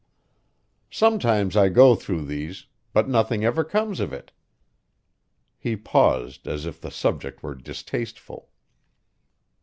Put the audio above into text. Sometimes I go through these; but nothing ever comes of it." He paused, as if the subject were distasteful.